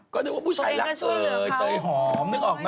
ก็เดี๋ยวว่าผู้ชายรักเตยเตยหอม